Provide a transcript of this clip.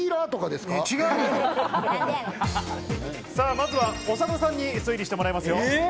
まずは長田さんに推理してもらいますよ。